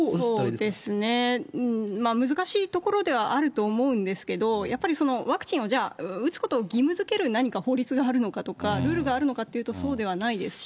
そうですね、難しいところであると思うんですけど、やっぱりワクチンをじゃあ、打つことを義務付ける何か法律があるのかとか、ルールがあるのかっていうとそうではないですし。